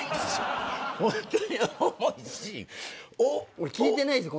俺聞いてないですよ